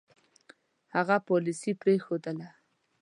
هغه پالیسي پرېښودله.